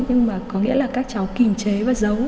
nhưng mà có nghĩa là các cháu kìm chế và giấu